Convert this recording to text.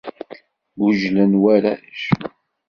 Ggujlen warrac.